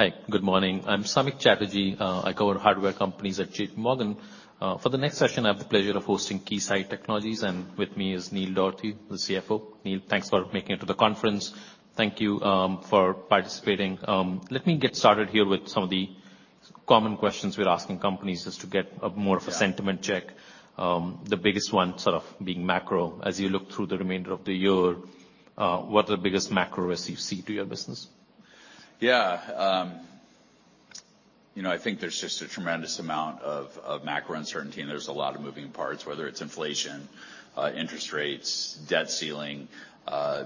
Hi, good morning. I'm Samik Chatterjee, I cover hardware companies at JPMorgan. For the next session, I have the pleasure of hosting Keysight Technologies, and with me is Neil Dougherty, the CFO. Neil, thanks for making it to the conference. Thank you for participating. Let me get started here with some of the common questions we're asking companies just to get a more of a sentiment check. The biggest one sort of being macro. As you look through the remainder of the year, what are the biggest macro risks you see to your business? You know, I think there's just a tremendous amount of macro uncertainty, and there's a lot of moving parts, whether it's inflation, interest rates, debt ceiling.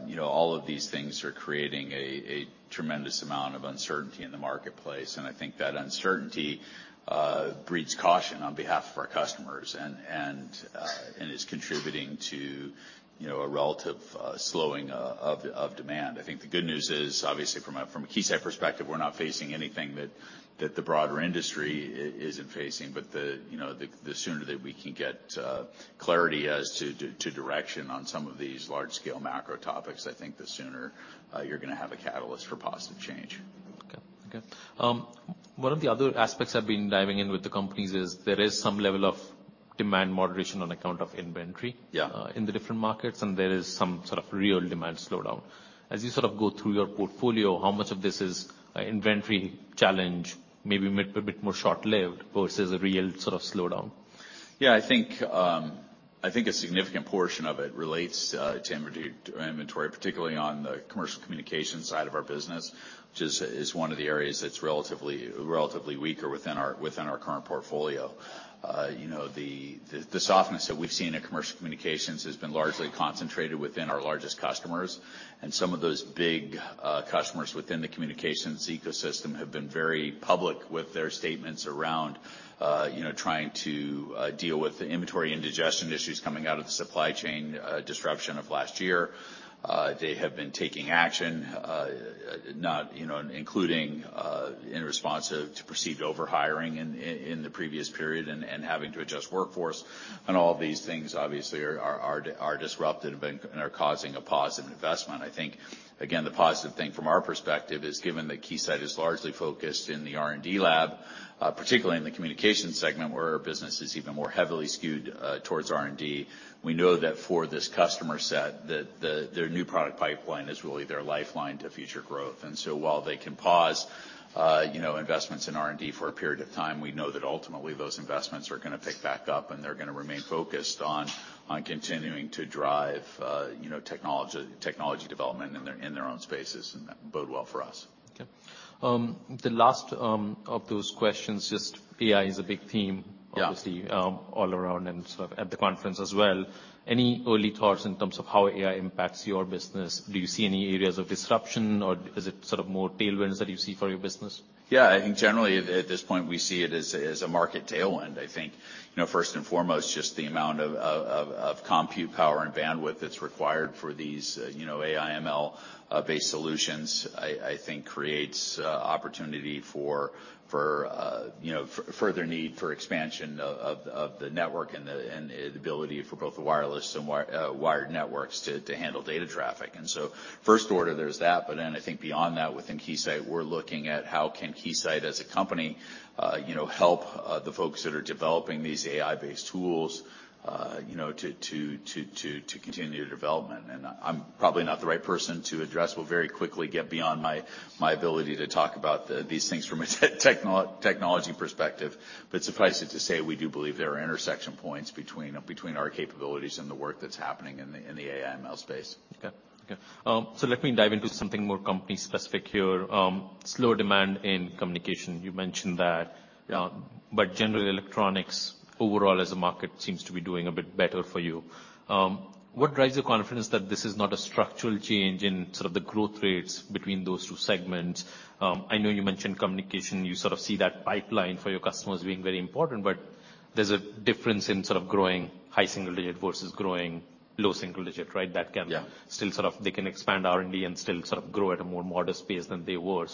You know, all of these things are creating a tremendous amount of uncertainty in the marketplace, and I think that uncertainty breeds caution on behalf of our customers and is contributing to, you know, a relative slowing of demand. I think the good news is, obviously from a Keysight perspective, we're not facing anything that the broader industry isn't facing. The sooner that we can get clarity as to direction on some of these large scale macro topics, I think the sooner, you're gonna have a catalyst for positive change. Okay. Okay. One of the other aspects I've been diving in with the companies is there is some level of demand moderation on account of inventory in the different markets, and there is some sort of real demand slowdown. As you sort of go through your portfolio, how much of this is an inventory challenge, maybe a bit more short-lived versus a real sort of slowdown? I think a significant portion of it relates to inventory, particularly on the Commercial Communication side of our business, which is one of the areas that's relatively weaker within our current portfolio. You know, the softness that we've seen Commercial Communication has been largely concentrated within our largest customers, and some of those big, customers within the communications ecosystem have been very public with their statements around, you know, trying to deal with the inventory indigestion issues coming out of the supply chain, disruption of last year. They have been taking action, not, you know, including in response to perceived over-hiring in the previous period and having to adjust workforce. All of these things obviously are disrupted and are causing a pause in investment. I think, again, the positive thing from our perspective is given that Keysight is largely focused in the R&D lab, particularly in the communication segment where our business is even more heavily skewed towards R&D. We know that for this customer set, that their new product pipeline is really their lifeline to future growth. While they can pause, you know, investments in R&D for a period of time, we know that ultimately those investments are gonna pick back up, and they're gonna remain focused on continuing to drive, you know, technology development in their, in their own spaces, and that bode well for us. Okay. The last of those questions, just AI is a big theme, obviously, all around and sort of at the conference as well. Any early thoughts in terms of how AI impacts your business? Do you see any areas of disruption, or is it sort of more tailwinds that you see for your business? Yeah. I think generally at this point, we see it as a market tailwind. I think, you know, first and foremost, just the amount of compute power and bandwidth that's required for these, you know, AI/ML based solutions, I think creates opportunity for, you know, further need for expansion of the network and the ability for both the wireless and wired networks to handle data traffic. First order there's that. I think beyond that, within Keysight, we're looking at how can Keysight as a company, you know, help the folks that are developing these AI-based tools, you know, to continue the development. I'm probably not the right person to address. We'll very quickly get beyond my ability to talk about these things from a technology perspective. Suffice it to say, we do believe there are intersection points between our capabilities and the work that's happening in the AI/ML space. Okay. Okay. Let me dive into something more company specific here. Slow demand in Commercial Communication, you mentioned that. General Electronics overall as a market seems to be doing a bit better for you. What drives the confidence that this is not a structural change in sort of the growth rates between those two segments? I know you mentioned communication, you sort of see that pipeline for your customers being very important, but there's a difference in sort of growing high single-digit versus growing low single-digit, right? That can still sort of they can expand R&D and still sort of grow at a more modest pace than they were.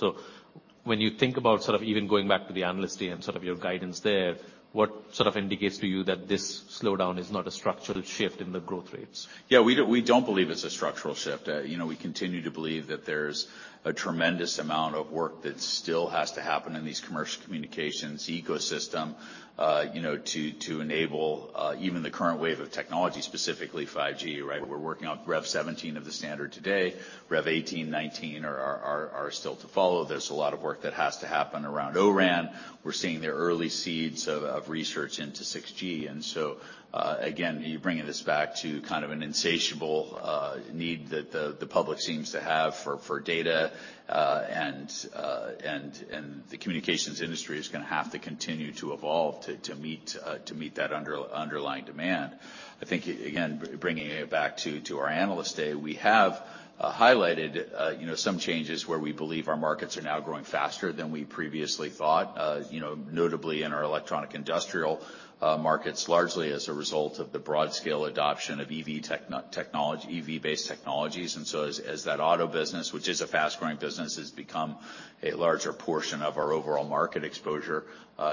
When you think about sort of even going back to the Analyst Day and sort of your guidance there, what sort of indicates to you that this slowdown is not a structural shift in the growth rates? Yeah. We don't believe it's a structural shift. you know, we continue to believe that there's a tremendous amount of work that still has to happen in Commercial Communication ecosystem, you know, to enable even the current wave of technology, specifically 5G, right? We're working on Release 17 of the standard today. Release 18, 19 are still to follow. There's a lot of work that has to happen around O-RAN. We're seeing the early seeds of research into 6G. Again, you're bringing this back to kind of an insatiable need that the public seems to have for data. And the communications industry is going to have to continue to evolve to meet that underlying demand. I think, again, bringing it back to our Analyst Day, we have highlighted, you know, some changes where we believe our markets are now growing faster than we previously thought. You know, notably in our EISG markets, largely as a result of the broad scale adoption of EV technology, EV-based technologies. As that automotive business, which is a fast-growing business, has become a larger portion of our overall market exposure,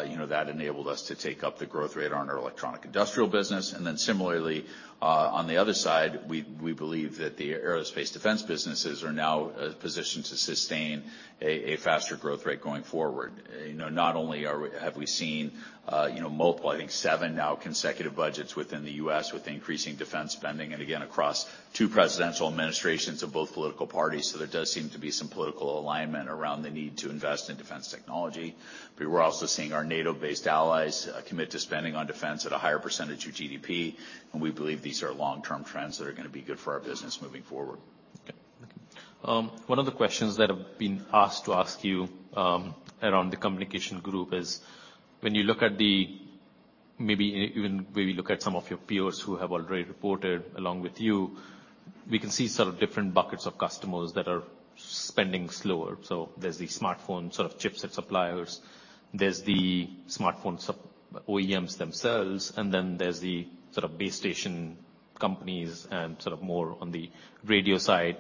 you know, that enabled us to take up the growth rate on our EISG business. Similarly, on the other side, we believe that the Aerospace, Defense, and Government businesses are now positioned to sustain a faster growth rate going forward. You know, not only have we seen multiple consecutive budgets, I think seven now, within the U.S. with increasing defense spending, again, across two presidential administrations of both political parties. There does seem to be some political alignment around the need to invest in defense technology. We're also seeing our NATO-based allies commit to spending on defense at a higher percentage of GDP, we believe these are long-term trends that are gonna be good for our business moving forward. Okay. One of the questions that I've been asked to ask you around the Communications Solutions Group is when you look at the, maybe even when you look at some of your peers who have already reported along with you, we can see sort of different buckets of customers that are spending slower. There's the smartphone sort of chipset suppliers, there's the smartphone OEMs themselves, and then there's the sort of base station companies and sort of more on the radio side.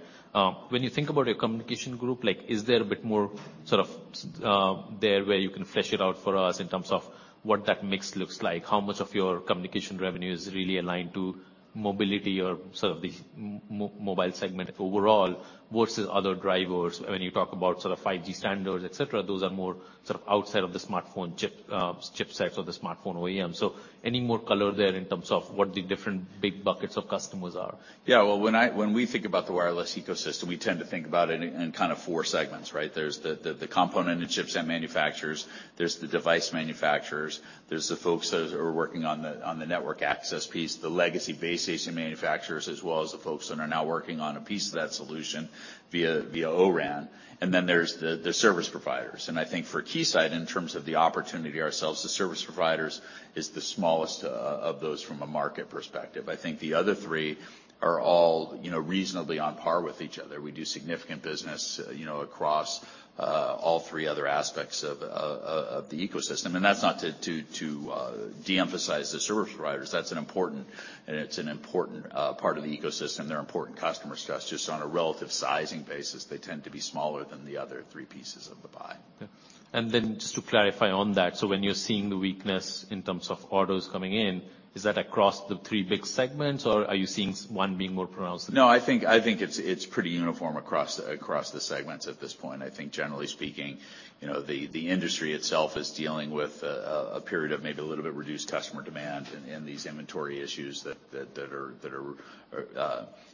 When you think about your Communications Solutions Group, like is there a bit more sort of there where you can flesh it out for us in terms of what that mix looks like? How much of your communication revenue is really aligned to mobility or sort of the mobile segment overall versus other drivers? When you talk about sort of 5G standards, et cetera, those are more sort of outside of the smartphone chip, chipsets or the smartphone OEM. Any more color there in terms of what the different big buckets of customers are? Well, when we think about the wireless ecosystem, we tend to think about it in kind of four segments, right? There's the component and chipset manufacturers, there's the device manufacturers, there's the folks that are working on the network access piece, the legacy base station manufacturers, as well as the folks that are now working on a piece of that solution via O-RAN, there's the service providers. I think for Keysight, in terms of the opportunity ourselves to service providers is the smallest of those from a market perspective. I think the other three are all, you know, reasonably on par with each other. We do significant business, you know, across all three other aspects of the ecosystem. That's not to de-emphasize the service providers. That's an important... It's an important part of the ecosystem. They're important customers to us. Just on a relative sizing basis, they tend to be smaller than the other three pieces of the pie. Okay. Then just to clarify on that, when you're seeing the weakness in terms of orders coming in, is that across the three big segments, or are you seeing one being more pronounced than the? I think it's pretty uniform across the segments at this point. I think generally speaking, you know, the industry itself is dealing with a period of maybe a little bit reduced customer demand and these inventory issues that are.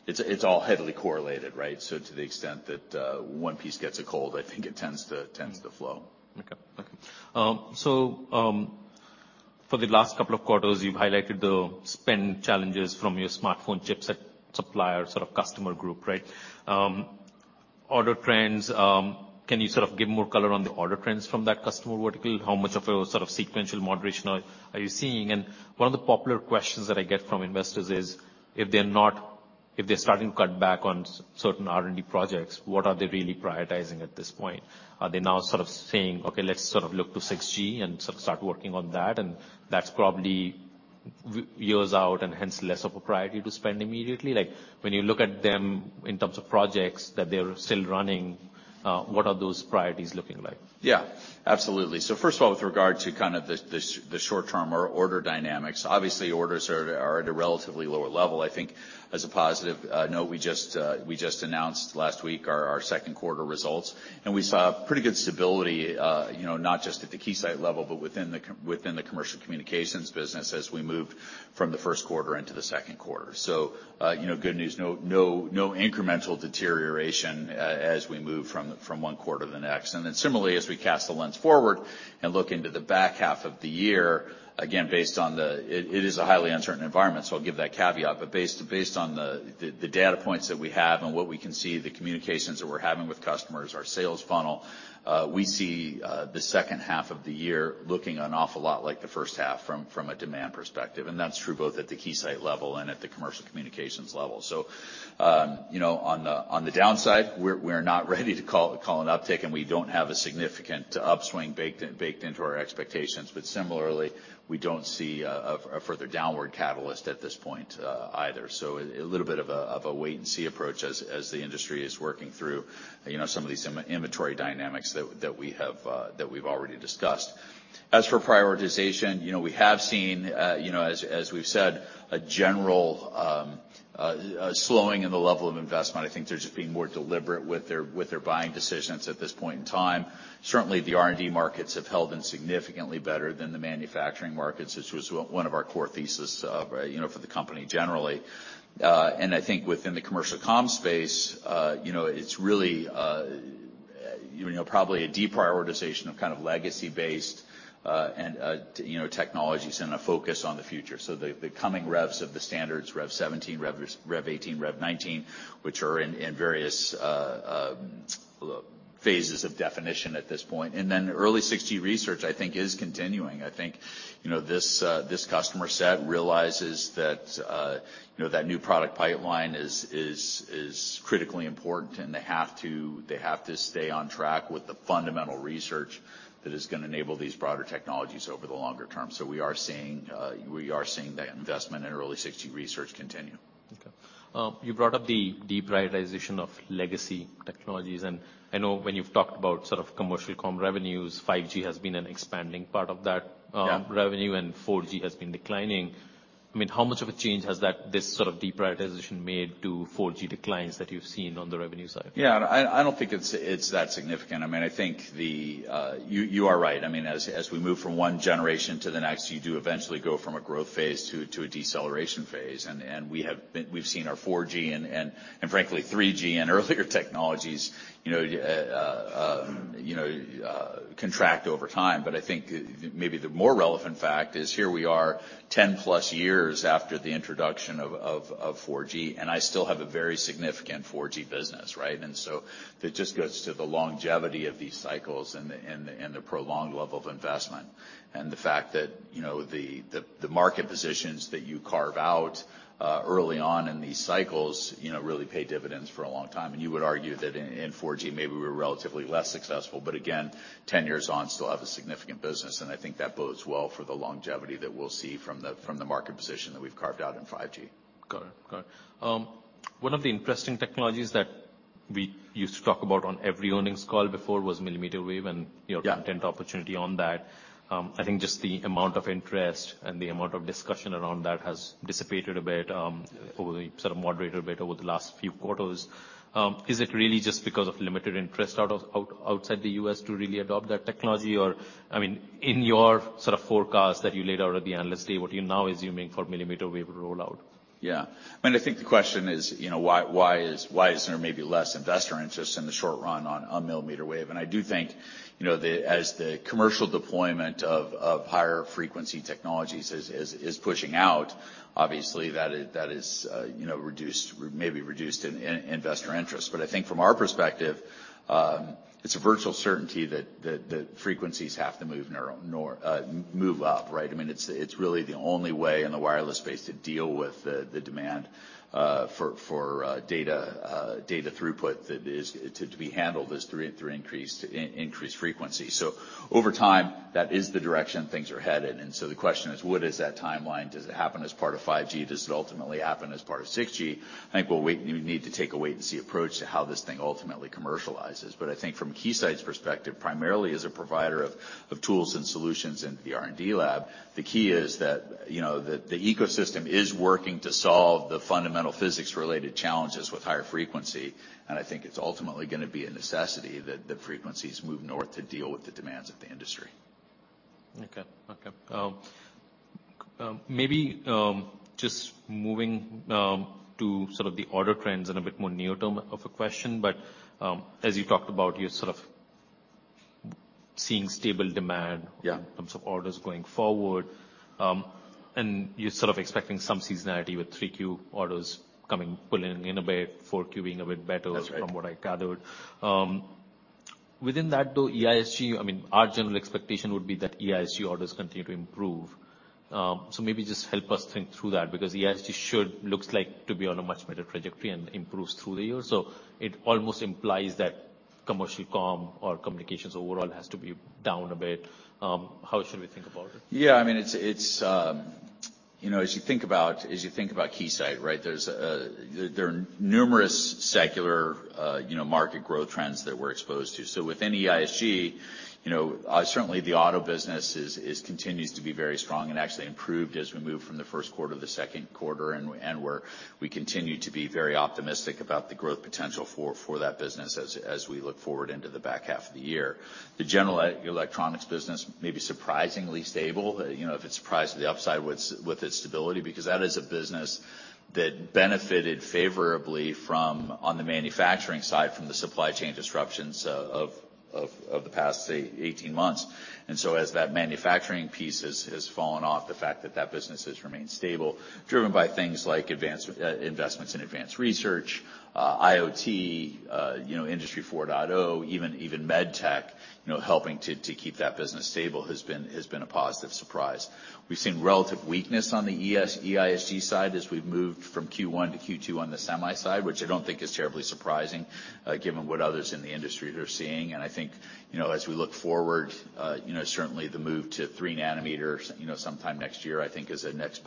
It's all heavily correlated, right? To the extent that one piece gets a cold, I think it tends to flow. Okay. Okay. For the last couple of quarters, you've highlighted the spend challenges from your smartphone chipset supplier sort of customer group, right? Order trends, can you sort of give more color on the order trends from that customer vertical? How much of a sort of sequential moderation are you seeing? One of the popular questions that I get from investors is, if they're starting to cut back on certain R&D projects, what are they really prioritizing at this point? Are they now sort of saying, "Okay, let's sort of look to 6G and sort of start working on that," and that's probably years out and hence less of a priority to spend immediately? When you look at them in terms of projects that they're still running, what are those priorities looking like? Yeah, absolutely. First of all, with regard to kind of the short-term or order dynamics, obviously, orders are at a relatively lower level. I think as a positive note, we just, we just announced last week our second quarter results, and we saw pretty good stability, you know, not just at the Keysight level, but within Commercial Communication business as we moved from the first quarter into the second quarter. You know, good news, no incremental deterioration as we move from one quarter to the next. Similarly, as we cast the lens forward and look into the back half of the year, again, based on the. It is a highly uncertain environment, so I'll give that caveat. Based on the data points that we have and what we can see, the communications that we're having with customers, our sales funnel, we see the second half of the year looking an awful lot like the first half from a demand perspective. That's true both at the Keysight level and at Commercial Communication level. you know, on the downside, we're not ready to call an uptick, and we don't have a significant upswing baked into our expectations. Similarly, we don't see a further downward catalyst at this point either. A little bit of a wait and see approach as the industry is working through, you know, some of these inventory dynamics that we have that we've already discussed. As for prioritization, you know, we have seen, you know, as we've said, a general slowing in the level of investment. I think they're just being more deliberate with their buying decisions at this point in time. Certainly, the R&D markets have held in significantly better than the manufacturing markets, which was one of our core thesis, you know, for the company generally. I think within the commercial communication space, you know, it's really, you know, probably a deprioritization of kind of legacy-based, and, you know, technologies and a focus on the future. The coming revs of the standards, Release 17, Release 18, Release 19, which are in various phases of definition at this point. Early 6G research, I think, is continuing. I think, you know, this customer set realizes that, you know, that new product pipeline is critically important and they have to stay on track with the fundamental research that is gonna enable these broader technologies over the longer term. We are seeing that investment in early 6G research continue. Okay. You brought up the deprioritization of legacy technologies, and I know when you've talked about sort of Commercial Communication revenues, 5G has been an expanding part of that revenue and 4G has been declining. I mean, how much of a change has that, this sort of deprioritization made to 4G declines that you've seen on the revenue side? Yeah. I don't think it's that significant. I mean, I think the. You, you are right. I mean, as we move from one generation to the next, you do eventually go from a growth phase to a deceleration phase. We've seen our 4G and frankly, 3G and earlier technologies, you know, you know, contract over time. I think maybe the more relevant fact is here we are 10+ years after the introduction of 4G, and I still have a very significant 4G business, right? That just goes to the longevity of these cycles and the prolonged level of investment. The fact that, you know, the, the market positions that you carve out early on in these cycles, you know, really pay dividends for a long time. You would argue that in 4G, maybe we were relatively less successful. Again, 10 years on, still have a significant business, and I think that bodes well for the longevity that we'll see from the, from the market position that we've carved out in 5G. Got it. One of the interesting technologies that we used to talk about on every earnings call before was millimeter wave and, you know, content opportunity on that. I think just the amount of interest and the amount of discussion around that has dissipated a bit over the sort of moderated bit over the last few quarters. Is it really just because of limited interest outside the U.S. to really adopt that technology? I mean, in your sort of forecast that you laid out at the Analyst Day, what are you now assuming for millimeter wave rollout? Yeah. I mean, I think the question is, you know, why isn't there maybe less investor interest in the short run on millimeter wave? I do think, you know, as the commercial deployment of higher frequency technologies is pushing out, obviously that is, you know, maybe reduced in investor interest. I think from our perspective, it's a virtual certainty that frequencies have to move up, right? I mean, it's really the only way in the wireless space to deal with the demand for data throughput that is to be handled is through increased frequency. Over time, that is the direction things are headed. The question is: what is that timeline? Does it happen as part of 5G? Does it ultimately happen as part of 6G? I think we'll wait, we need to take a wait and see approach to how this thing ultimately commercializes. I think from Keysight's perspective, primarily as a provider of tools and solutions in the R&D lab, the key is that, you know, the ecosystem is working to solve the fundamental physics related challenges with higher frequency, and I think it's ultimately gonna be a necessity that the frequencies move north to deal with the demands of the industry. Okay. Maybe, just moving to sort of the order trends and a bit more near-term of a question, but as you talked about, you're sort of seeing stable demand in terms of orders going forward. You're sort of expecting some seasonality with 3Q orders coming, pulling in a bit, 4Q being a bit better- That's right. -from what I gathered. Within that, though, EISG, our general expectation would be that EISG orders continue to improve. Maybe just help us think through that because EISG should looks like to be on a much better trajectory and improves through the year. It almost implies that Commercial Communication or Communications Solutions Group overall has to be down a bit. How should we think about it? Yeah, I mean, it's, you know, as you think about Keysight, right? There are numerous secular, you know, market growth trends that we're exposed to. Within EISG, you know, certainly the Automotive business is continues to be very strong and actually improved as we move from the first quarter to the second quarter, and we continue to be very optimistic about the growth potential for that business as we look forward into the back half of the year. The General Electronics business may be surprisingly stable. You know, if it's surprised to the upside with its stability because that is a business that benefited favorably from, on the manufacturing side, from the supply chain disruptions of the past, say, 18 months. As that manufacturing piece has fallen off, the fact that business has remained stable, driven by things like investments in advanced research, IoT, you know, Industry 4.0, even MedTech, you know, helping to keep that business stable has been a positive surprise. We've seen relative weakness on the EISG side as we've moved from Q1 to Q2 on the Semiconductor side, which I don't think is terribly surprising, given what others in the industry are seeing. I think, you know, as we look forward, you know, certainly the move to 3 nm, you know, sometime next year, I think is a next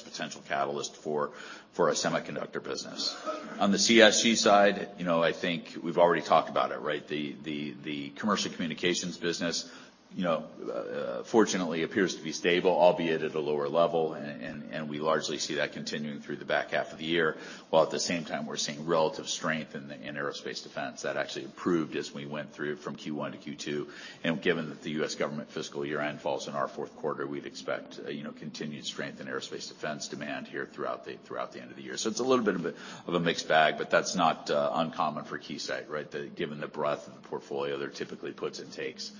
potential catalyst for our Semiconductor business. On the CSG side, you know, I think we've already talked about it, right? The Commercial Communication business, you know, fortunately appears to be stable, albeit at a lower level, and we largely see that continuing through the back half of the year, while at the same time we're seeing relative strength in Aerospace, Defense, and Government that actually improved as we went through from Q1 to Q2. Given that the U.S. government fiscal year end falls in our fourth quarter, we'd expect, you know, continued strength in Aerospace, Defense, and Government demand here throughout the end of the year. It's a little bit of a mixed bag, but that's not uncommon for Keysight, right? Given the breadth of the portfolio, there are typically puts and takes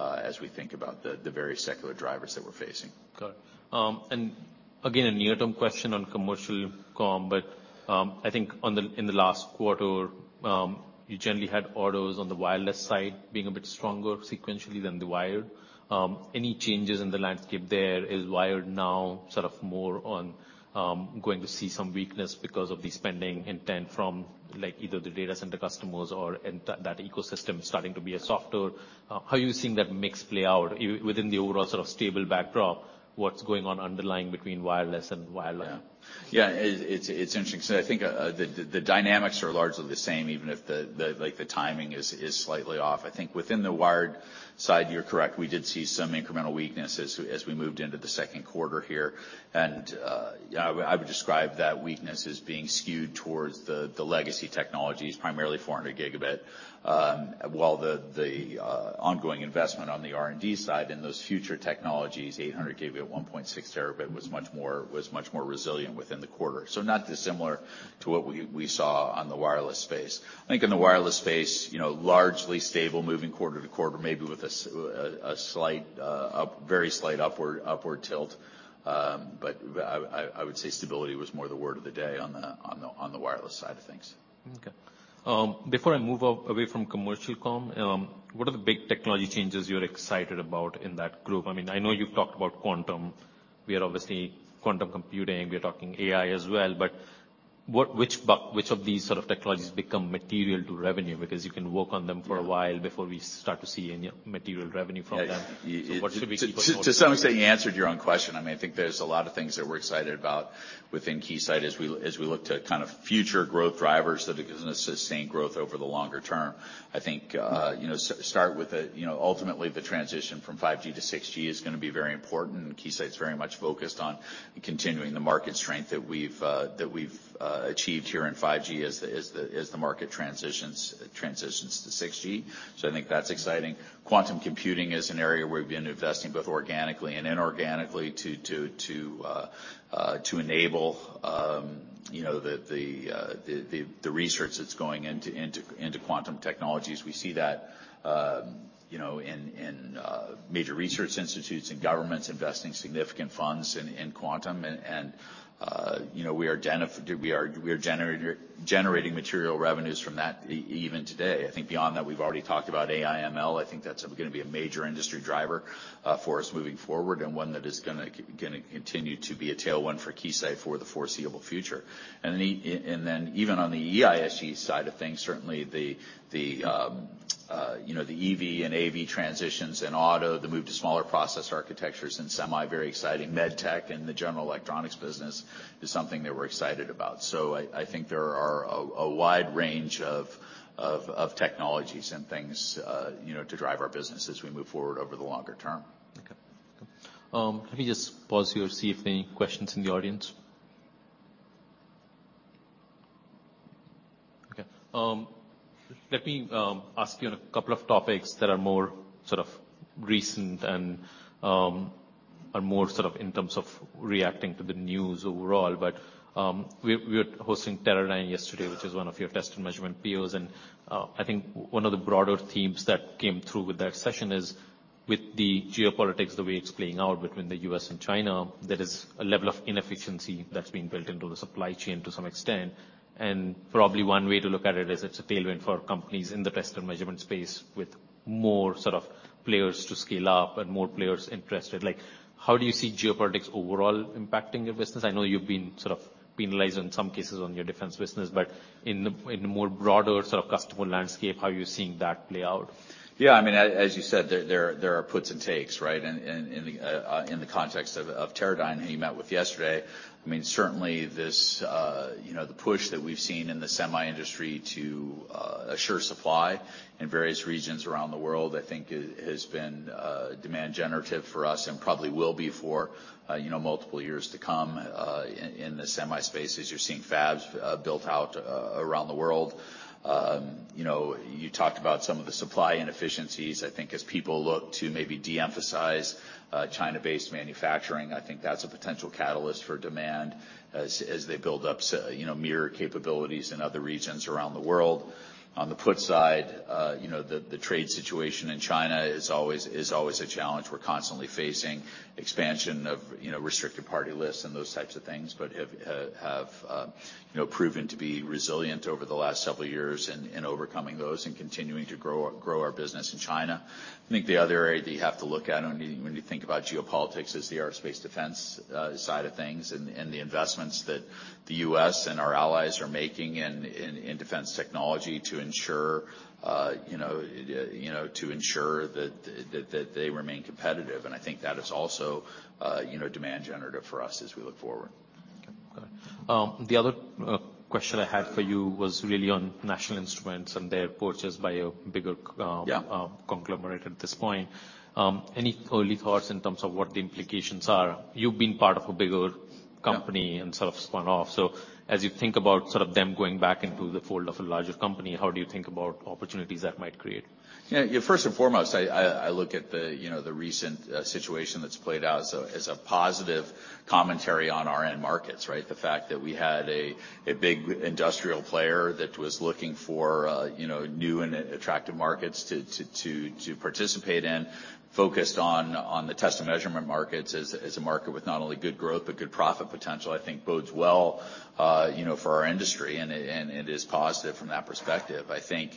as we think about the very secular drivers that we're facing. Got it. Again, a near-term question on Commercial Communication, but I think in the last quarter, you generally had orders on the wireless side being a bit stronger sequentially than the wired. Any changes in the landscape there? Is wired now sort of more on, going to see some weakness because of the spending intent from, like, either the data center customers or that ecosystem starting to be a softer... How are you seeing that mix play out within the overall sort of stable backdrop? What's going on underlying between wireless and wired? Yeah. Yeah, it's interesting. I think the dynamics are largely the same even if the timing is slightly off. I think within the wired side, you're correct. We did see some incremental weakness as we moved into the second quarter here. Yeah, I would describe that weakness as being skewed towards the legacy technologies, primarily 400 Gb, while the ongoing investment on the R&D side in those future technologies, 800 Gb, 1.6 Tb was much more resilient within the quarter. Not dissimilar to what we saw on the wireless space. I think in the wireless space, you know, largely stable moving quarter to quarter, maybe with a slight, a very slight upward tilt. I would say stability was more the word of the day on the wireless side of things. Okay. Before I move away from Commercial Communication, what are the big technology changes you're excited about in that group? I mean, I know you've talked about quantum. We are obviously quantum computing, we are talking AI as well, but which of these sort of technologies become material to revenue? Because you can work on them for a while before we start to see any material revenue from them. What should we keep a focus on? To some extent, you answered your own question. I mean, I think there's a lot of things that we're excited about within Keysight as we look to kind of future growth drivers that'll give us the same growth over the longer term. I think, you know, start with the, you know, ultimately, the transition from 5G to 6G is gonna be very important, and Keysight's very much focused on continuing the market strength that we've achieved here in 5G as the market transitions to 6G. I think that's exciting. Quantum computing is an area where we've been investing both organically and inorganically to enable, you know, the research that's going into quantum technologies. We see that, you know, in major research institutes and governments investing significant funds in quantum and, you know, we are generating material revenues from that even today. I think beyond that, we've already talked about AI/ML. I think that's gonna be a major industry driver for us moving forward, and one that is gonna continue to be a tailwind for Keysight for the foreseeable future. Even on the EISG side of things, certainly the, you know, the EV and AV transitions in Automotive business, the move to smaller process architectures in Semiconductor business, very exciting. MedTech in the General Electronics business is something that we're excited about. I think there are a wide range of technologies and things, you know, to drive our business as we move forward over the longer term. Okay. Let me just pause here, see if any questions in the audience. Okay. Let me ask you on a couple of topics that are more sort of recent and are more sort of in terms of reacting to the news overall. We were hosting Teradyne yesterday, which is one of your test and measurement peers, and I think one of the broader themes that came through with that session is with the geopolitics, the way it's playing out between the U.S. and China, there is a level of inefficiency that's been built into the supply chain to some extent. Probably one way to look at it is it's a tailwind for companies in the test and measurement space with more sort of players to scale up and more players interested. Like, how do you see geopolitics overall impacting your business? I know you've been sort of penalized in some cases on your defense business, but in a more broader sort of customer landscape, how are you seeing that play out? Yeah. I mean, as you said, there are puts and takes, right? In the context of Teradyne, who you met with yesterday, I mean, certainly this, you know, the push that we've seen in the semi industry to assure supply in various regions around the world, I think has been demand generative for us and probably will be for, you know, multiple years to come in the semi space as you're seeing fabs built out around the world. You know, you talked about some of the supply inefficiencies. I think as people look to maybe de-emphasize China-based manufacturing, I think that's a potential catalyst for demand as they build up, you know, mirror capabilities in other regions around the world. On the put side, you know, the trade situation in China is always a challenge we're constantly facing. Expansion of, you know, restricted party lists and those types of things, but have, you know, proven to be resilient over the last several years in overcoming those and continuing to grow our business in China. I think the other area that you have to look at when you think about geopolitics is the aerospace defense side of things and the investments that the U.S. and our allies are making in defense technology to ensure, you know, that they remain competitive. I think that is also, you know, demand generative for us as we look forward. Okay. The other question I had for you was really on National Instruments and their purchase by a bigger conglomerate at this point. Any early thoughts in terms of what the implications are? You've been part of a bigger company and sort of spun off. As you think about sort of them going back into the fold of a larger company, how do you think about opportunities that might create? First and foremost, I look at, you know, the recent situation that's played out as a positive commentary on our end markets, right? The fact that we had a big industrial player that was looking for, you know, new and attractive markets to participate in, focused on the test and measurement markets as a market with not only good growth, but good profit potential, I think bodes well, you know, for our industry, and it is positive from that perspective. I think,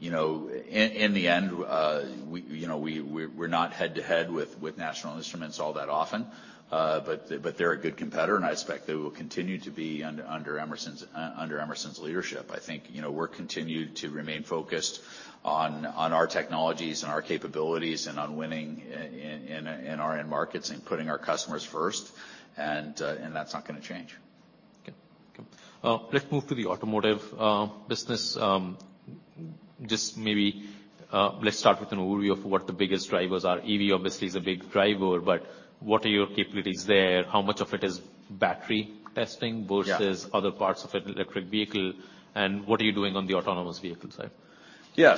you know, in the end, we're not head-to-head with National Instruments all that often. They're a good competitor, and I expect they will continue to be under Emerson's leadership. I think, you know, we're continued to remain focused on our technologies and our capabilities and on winning in our end markets and putting our customers first. That's not gonna change. Let's move to the Automotive business. Just maybe, let's start with an overview of what the biggest drivers are. EV obviously is a big driver, but what are your capabilities there? How much of it is battery testing versus other parts of an electric vehicle, and what are you doing on the autonomous vehicle side? Yeah.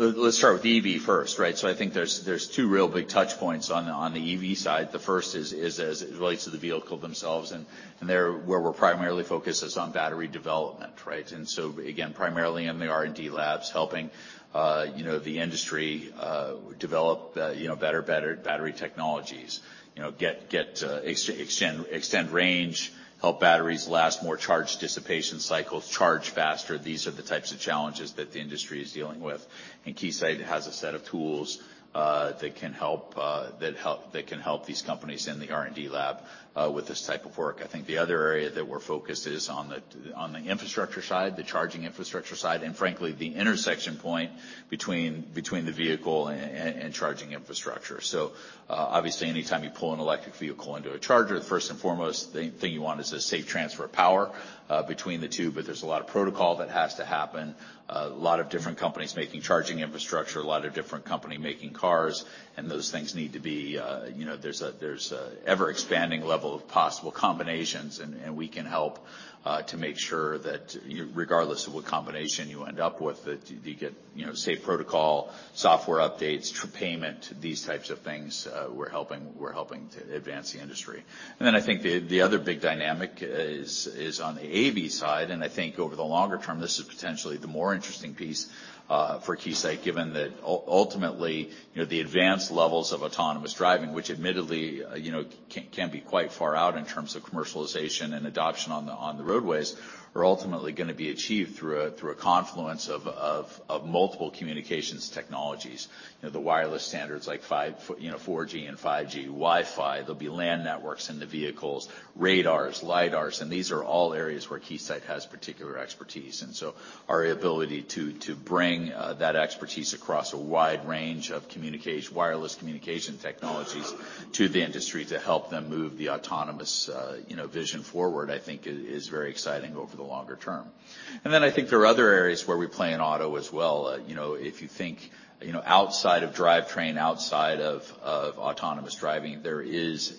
Let's start with EV first, right? I think there's two real big touch points on the EV side. The first is as it relates to the vehicle themselves, and there where we're primarily focused is on battery development, right? Again, primarily in the R&D labs helping, you know, the industry develop, you know, better battery technologies. You know, get extend range, help batteries last more, charge dissipation cycles, charge faster. These are the types of challenges that the industry is dealing with. Keysight has a set of tools that can help these companies in the R&D lab with this type of work. I think the other area that we're focused is on the infrastructure side, the charging infrastructure side, and frankly, the intersection point between the vehicle and charging infrastructure. Obviously, anytime you pull an electric vehicle into a charger, the first and foremost thing you want is a safe transfer of power between the two, but there's a lot of protocol that has to happen. A lot of different companies making charging infrastructure, a lot of different company making cars, and those things need to be, you know, there's a ever-expanding level of possible combinations and we can help to make sure that regardless of what combination you end up with, that you get, you know, safe protocol, software updates, payment, these types of things, we're helping to advance the industry. I think the other big dynamic is on the AV side, and I think over the longer term, this is potentially the more interesting piece for Keysight, given that ultimately, the advanced levels of autonomous driving, which admittedly, can be quite far out in terms of commercialization and adoption on the roadways, are ultimately gonna be achieved through a confluence of multiple communications technologies. The wireless standards like 4G and 5G, Wi-Fi. There'll be LAN networks in the vehicles, radars, lidars, and these are all areas where Keysight has particular expertise. Our ability to bring that expertise across a wide range of wireless communication technologies to the industry to help them move the autonomous, you know, vision forward, I think is very exciting over the longer term. I think there are other areas where we play in auto as well. You know, if you think, you know, outside of drivetrain, outside of autonomous driving, there's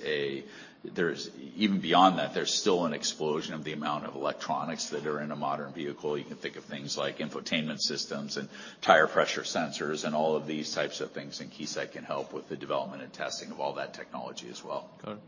even beyond that, there's still an explosion of the amount of electronics that are in a modern vehicle. You can think of things like infotainment systems and tire pressure sensors and all of these types of things, and Keysight can help with the development and testing of all that technology as well. Got it.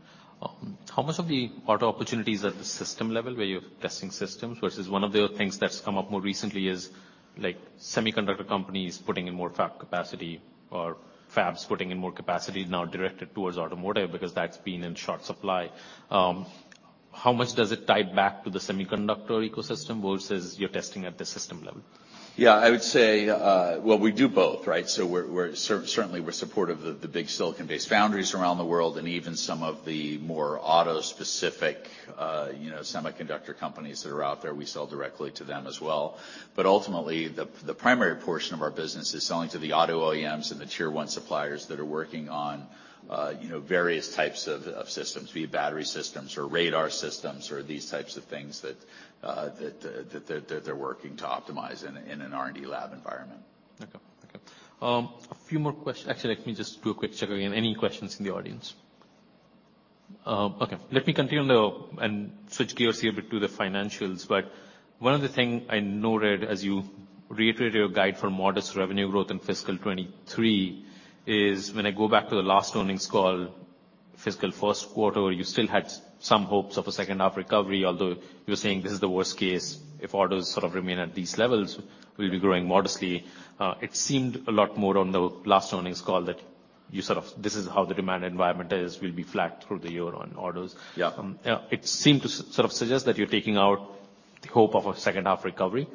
How much of the auto opportunities are at the system level where you're testing systems? Versus one of the things that's come up more recently is like semiconductor companies putting in more fab capacity or fabs putting in more capacity now directed towards automotive because that's been in short supply. How much does it tie back to the semiconductor ecosystem versus you're testing at the system level? Yeah. I would say, well, we do both, right? We're certainly supportive of the big silicon-based foundries around the world and even some of the more auto-specific, you know, semiconductor companies that are out there. We sell directly to them as well. Ultimately, the primary portion of our business is selling to the auto OEMs and the Tier 1 suppliers that are working on, you know, various types of systems, be it battery systems or radar systems or these types of things that they're working to optimize in an R&D lab environment. Okay. Okay. A few more. Actually, let me just do a quick check again. Any questions from the audience? Okay. Let me continue on, though and switch gears here a bit to the financials. One of the thing I noted as you reiterated your guide for modest revenue growth in fiscal 2023, is when I go back to the last earnings call, fiscal first quarter, you still had some hopes of a second half recovery, although you were saying this is the worst case. If orders sort of remain at these levels, we'll be growing modestly. It seemed a lot more on the last earnings call that you sort of this is how the demand environment is, we'll be flat through the year on orders. Yeah. Yeah. It seemed to sort of suggest that you're taking out the hope of a second half recovery.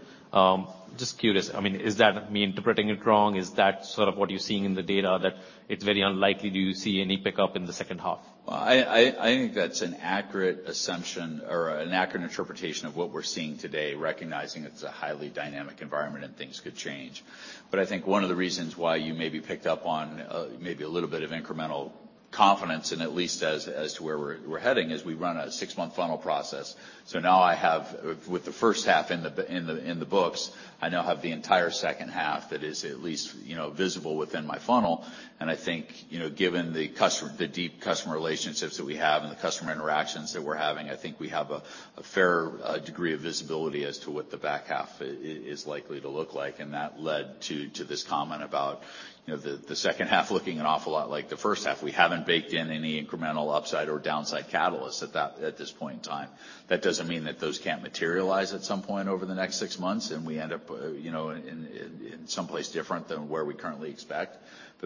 Just curious, I mean, is that me interpreting it wrong? Is that sort of what you're seeing in the data, that it's very unlikely, do you see any pickup in the second half? Well, I think that's an accurate assumption or an accurate interpretation of what we're seeing today, recognizing it's a highly dynamic environment and things could change. I think one of the reasons why you maybe picked up on maybe a little bit of incremental confidence and at least as to where we're heading, is we run a six-month funnel process. Now I have, with the first half in the books, I now have the entire second half that is at least, you know, visible within my funnel. I think, you know, given the customer, the deep customer relationships that we have and the customer interactions that we're having, I think we have a fair degree of visibility as to what the back half is likely to look like. That led to this comment about, you know, the second half looking an awful lot like the first half. We haven't baked in any incremental upside or downside catalysts at this point in time. That doesn't mean that those can't materialize at some point over the next six months, and we end up, you know, in some place different than where we currently expect.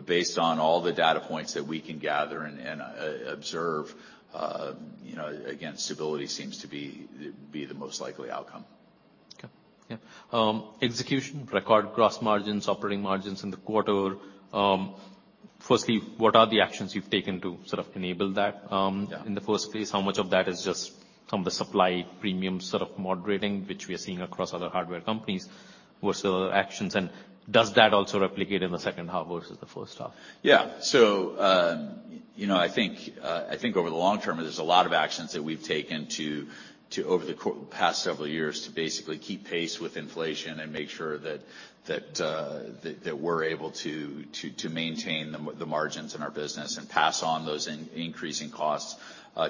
Based on all the data points that we can gather and observe, you know, again, stability seems to be the most likely outcome. Okay. Yeah. execution, record gross margins, operating margins in the quarter. Firstly, what are the actions you've taken to sort of enable that in the first place? How much of that is just some of the supply premium sort of moderating, which we are seeing across other hardware companies? What's the actions, and does that also replicate in the second half versus the first half? Yeah. You know, I think over the long term, there's a lot of actions that we've taken to over the past several years to basically keep pace with inflation and make sure that we're able to maintain the margins in our business and pass on those increasing costs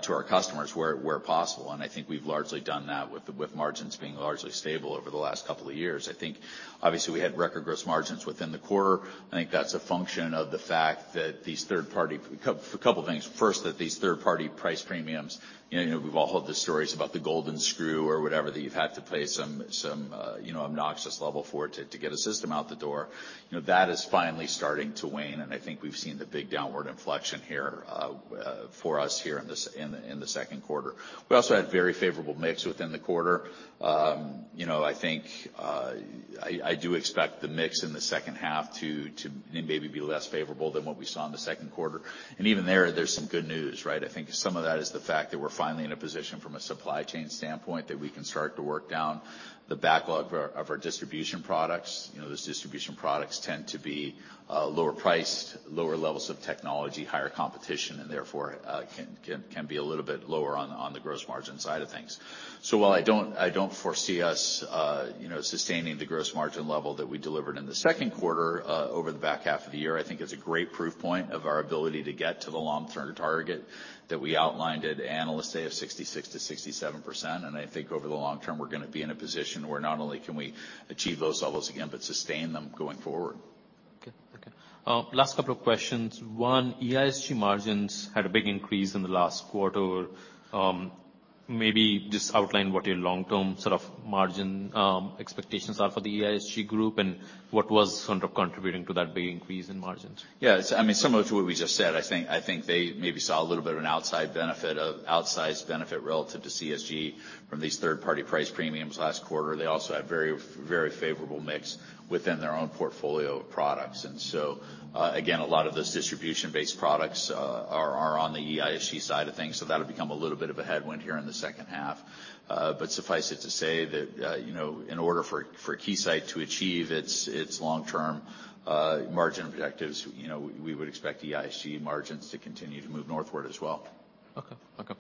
to our customers where possible. I think we've largely done that with margins being largely stable over the last couple of years. I think obviously we had record gross margins within the quarter. I think that's a function of the fact that these third party... A couple things. First, that these third party price premiums, you know, we've all heard the stories about the golden screw or whatever, that you've had to pay some, you know, obnoxious level for it to get a system out the door. You know, that is finally starting to wane, and I think we've seen the big downward inflection here for us here in the second quarter. We also had very favorable mix within the quarter. You know, I think, I do expect the mix in the second half to maybe be less favorable than what we saw in the second quarter. Even there's some good news, right? I think some of that is the fact that we're finally in a position from a supply chain standpoint, that we can start to work down the backlog of our distribution products. You know, those distribution products tend to be lower priced, lower levels of technology, higher competition, and therefore, can be a little bit lower on the gross margin side of things. While I don't foresee us, you know, sustaining the gross margin level that we delivered in the second quarter over the back half of the year, I think it's a great proof point of our ability to get to the long-term target that we outlined at Analyst Day of 66%-67%. I think over the long term, we're gonna be in a position where not only can we achieve those levels again, but sustain them going forward. Okay. Okay. last couple of questions. One, EISG margins had a big increase in the last quarter. maybe just outline what your long-term sort of margin expectations are for the EISG group, and what was sort of contributing to that big increase in margins. Yeah. I mean, similar to what we just said, I think they maybe saw a little bit of an outsized benefit relative to CSG from these third party price premiums last quarter. They also had very favorable mix within their own portfolio of products. Again, a lot of those distribution-based products are on the EISG side of things, so that'll become a little bit of a headwind here in the second half. Suffice it to say that, you know, in order for Keysight to achieve its long-term margin objectives, you know, we would expect EISG margins to continue to move northward as well. Okay. Okay.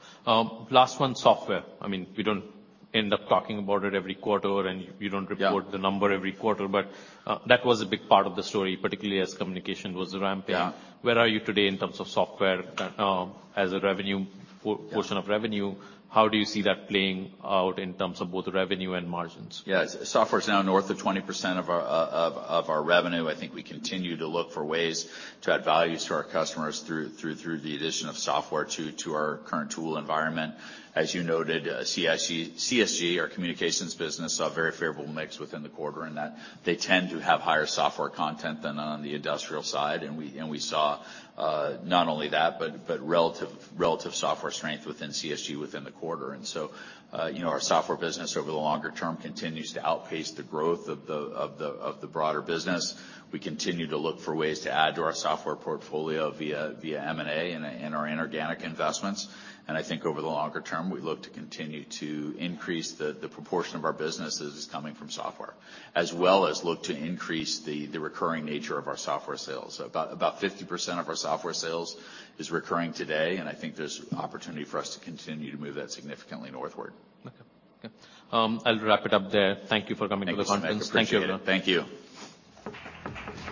last one, software. I mean, we don't end up talking about it every quarter, you don't report the number every quarter, but, that was a big part of the story, particularly as communication was ramping. Where are you today in terms of software as a portion of revenue? How do you see that playing out in terms of both revenue and margins? Yeah. Software's now north of 20% of our revenue. I think we continue to look for ways to add value to our customers through the addition of software to our current tool environment. As you noted, CSG, our communications business, a very favorable mix within the quarter, in that they tend to have higher software content than on the industrial side. We saw not only that, but relative software strength within CSG within the quarter. You know, our software business over the longer term continues to outpace the growth of the broader business. We continue to look for ways to add to our software portfolio via M&A and our inorganic investments. I think over the longer term, we look to continue to increase the proportion of our business that is coming from software. As well as look to increase the recurring nature of our software sales. About 50% of our software sales is recurring today. I think there's opportunity for us to continue to move that significantly northward. Okay. Okay. I'll wrap it up there. Thank you for coming to the conference. Thank you so much. Appreciate it. Thank you. Thank you.